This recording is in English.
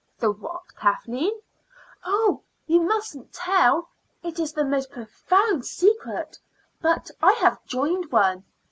"The what, Kathleen?" "Oh, you musn't tell it is the most profound secret but I have joined one.